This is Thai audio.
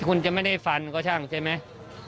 คุณจะไม่ได้ฟันก็ช่างใช่ไหม